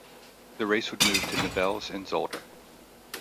The race would move to Nivelles and Zolder.